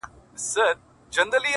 خيالاتو د حالاتو د دې سوال الهام راکړی~